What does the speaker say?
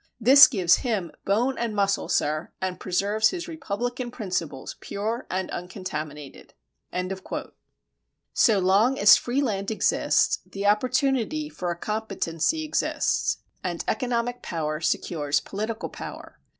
This gives him bone and muscle, sir, and preserves his republican principles pure and uncontaminated. So long as free land exists, the opportunity for a competency exists, and economic power secures political power.